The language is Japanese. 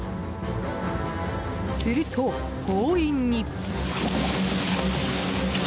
すると、強引に。